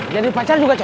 jadi pacar juga cocok